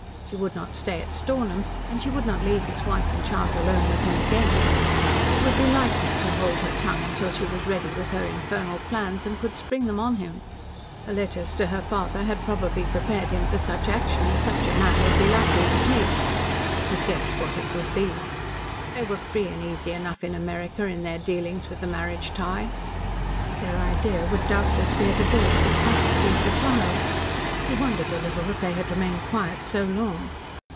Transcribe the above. She would not stay at Stornham and she would not leave his wife and child alone with him again. It would be like her to hold her tongue until she was ready with her infernal plans and could spring them on him. Her letters to her father had probably prepared him for such action as such a man would be likely to take. He could guess what it would be. They were free and easy enough in America in their dealings with the marriage tie. Their idea would doubtless be a divorce with custody of the child. He wondered a little that they had remained quiet so long.